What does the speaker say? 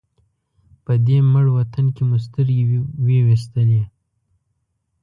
په دې مړ وطن کې مو سترګې وې وېستلې.